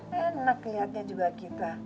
kan enak kelihatannya juga kita